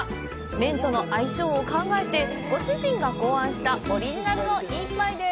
麺との相性を考えてご主人が考案したオリジナルの一杯です。